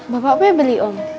bapak febri om